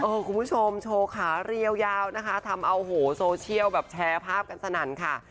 คุณผู้ชมโชว์ขาเรียวยาวนะคะทำเอาโหโซเชียลแบบแชร์ภาพกันสนั่นค่ะ